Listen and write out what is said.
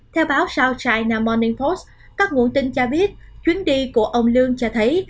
theo báo south china morning post các nguồn tin cho biết chuyến đi của ông lương cho thấy